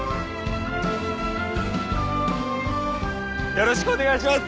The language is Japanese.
よろしくお願いします！